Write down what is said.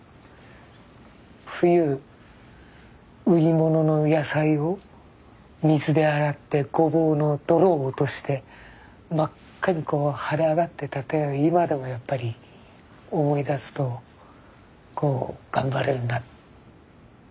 冬売り物の野菜を水で洗ってゴボウの泥を落として真っ赤に腫れ上がってた手を今でもやっぱり思い出すと頑張れるな。